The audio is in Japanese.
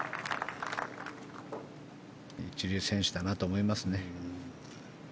一流選手だなと思いますね。